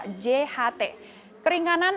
keringanan atau jaminan yang terkait dengan penyelenggaraan